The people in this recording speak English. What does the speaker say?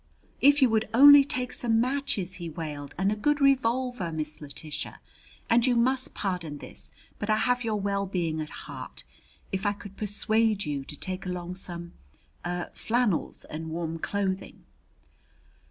"If you would only take some matches," he wailed, "and a good revolver, Miss Letitia. And you must pardon this, but I have your well being at heart if I could persuade you to take along some er flannels and warm clothing!"